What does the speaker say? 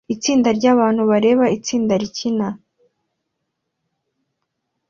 Itsinda ryabantu bareba itsinda rikina